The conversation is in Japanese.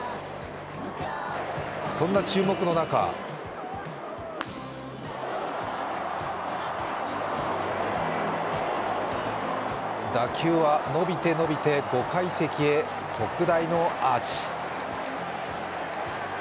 そんな注目の中打球は伸びて伸びて５階席へ特大のアーチ。